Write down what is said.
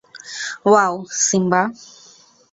Wow, Simba!